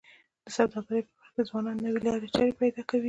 د سوداګرۍ په برخه کي ځوانان نوې لارې چارې پیدا کوي.